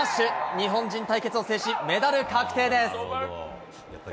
日本人対決を制しメダル確定です。